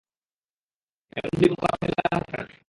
এমন ধূলি কোন কাফেলার হতে পারে না।